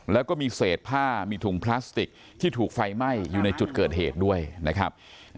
แล้วก็มีเศษผ้ามีถุงพลาสติกที่ถูกไฟไหม้อยู่ในจุดเกิดเหตุด้วยนะครับ